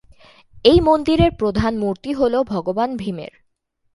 এই মন্দিরের প্রধান মূর্তি হলো ভগবান ভীমের।